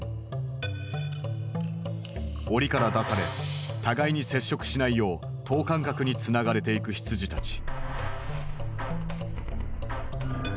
おりから出され互いに接触しないよう等間隔につながれていく羊たち。